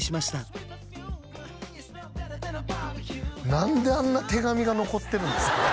何であんな手紙が残ってるんですか？